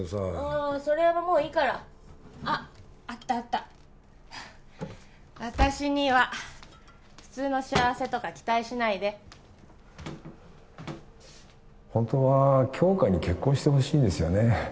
あそれはもういいからあっあったあった私には普通の幸せとか期待しないで本当は杏花に結婚してほしいんですよね